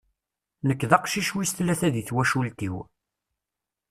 Nek d aqcic wis tlata deg twacult-iw.